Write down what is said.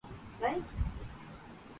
وہ ان کے لیے کئی نذرانے لائے